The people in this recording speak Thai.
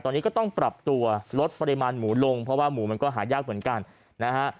ตอนนี้ก็ต้องปรับตัวลดปริมาณหมูลงเพราะว่าหมูมันก็หายากเหมือนกันนะฮะ